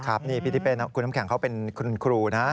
ครับนี่พี่ทิเป้นะคุณน้ำแข็งเขาเป็นคุณครูนะ